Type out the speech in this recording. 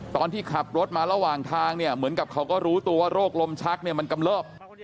ตอนที่ขับรถมาระหว่างทางเนี่ยเหมือนกับเขาก็รู้ตัวว่าโรคลมชักเนี่ยมันกำเลิบ